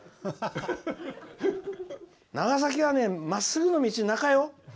長崎はねまっすぐの道は、なかよ。